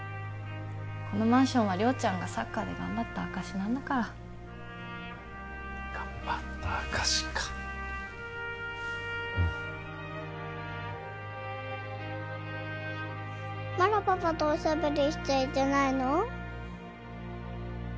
このマンションは亮ちゃんがサッカーで頑張った証しなんだから頑張った証しかうんまだパパとおしゃべりしちゃいけないの？